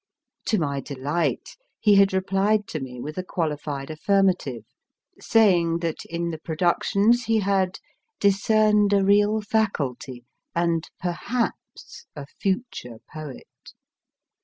To my delight he had replied to me with a qualified affirmative, saying that in the productions he had discerned a real faculty, and perhaps a future poet.